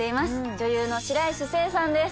女優の白石聖さんです。